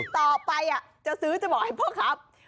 ต่อไปจะซื้อจะบอกให้พ่อครับ